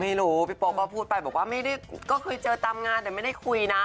ไม่รู้พี่โปมก็พูดไปบอกว่าก็เคยเจอตามงานแต่ไม่ได้คุยนะ